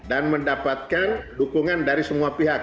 dan mendapatkan dukungan dari semua pihak